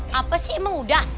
apa sih emang udah